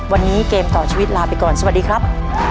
วันนี้เกมต่อชีวิตลาไปก่อนสวัสดีครับ